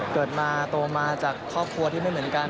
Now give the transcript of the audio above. เกิดมาโตมาจากครอบครัวที่ไม่เหมือนกัน